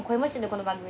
この番組。